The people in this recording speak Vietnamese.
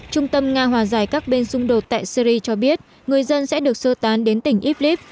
trung tâm nga hòa giải các bên xung đột tại syri cho biết người dân sẽ được sơ tán đến tỉnh iblis